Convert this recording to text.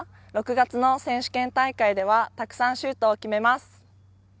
６月の選手権大会ではたくさんシュートを決めます。